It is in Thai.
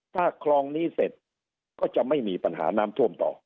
ถ้าคลองนี้เสร็จก็จะไม่มีปัญหาน้ำท่วมต่อ